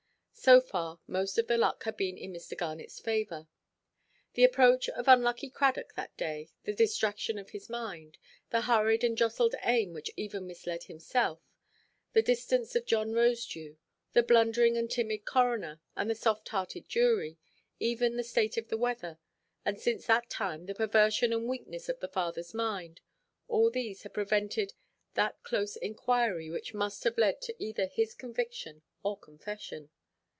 So far, most of the luck had been in Mr. Garnetʼs favour; the approach of unlucky Cradock that day, the distraction of his mind—the hurried and jostled aim which even misled himself; the distance of John Rosedew; the blundering and timid coroner and the soft–hearted jury; even the state of the weather; and since that time the perversion and weakness of the fatherʼs mind: all these had prevented that close inquiry which must have led to either his conviction or confession.